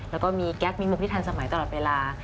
แล้วก็มีแก๊กมีมุกทิศธรรมไหลตลอดเวลา